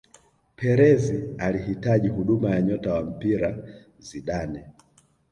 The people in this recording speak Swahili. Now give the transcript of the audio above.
Perez alihitaji huduma ya nyota wa mpira Zidane